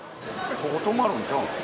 ここ泊まるんちゃうの？